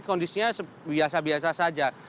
kondisinya biasa biasa saja